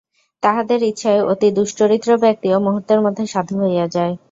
তাঁহাদের ইচ্ছায় অতি দুশ্চরিত্র ব্যক্তিও মুহূর্তের মধ্যে সাধু হইয়া যায়।